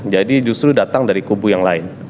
jadi justru datang dari kubu yang lain